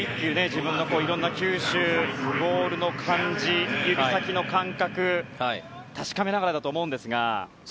自分のいろんな球種、ボールの感じ指先の感覚確かめながらだと思うんですが。